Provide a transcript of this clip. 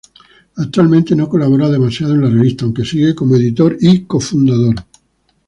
Actualmente no colabora demasiado en la revista, aunque sigue como editor y co-fundador.